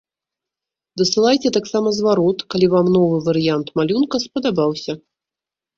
Дасылайце таксама зварот, калі вам новы варыянт малюнка спадабаўся.